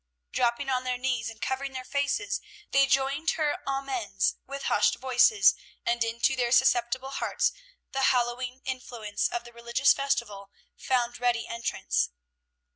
Dropping on their knees, and covering their faces, they joined her "Amens" with hushed voices, and into their susceptible hearts the hallowing influence of the religious festival found ready entrance.